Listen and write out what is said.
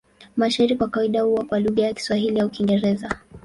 Mashairi kwa kawaida huwa kwa lugha ya Kiswahili au Kiingereza.